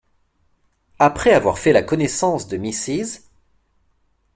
Après avoir fait la connaissance de Mrs.